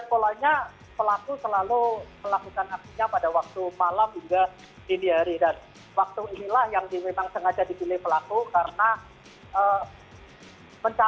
oke tiga kali sehari cukup menakutkan ya